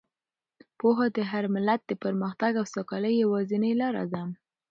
پوهه د هر ملت د پرمختګ او سوکالۍ یوازینۍ لاره ده.